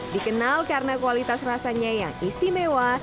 dikenal karena kualitas rasanya yang istimewa